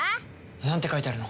何て書いてあるの？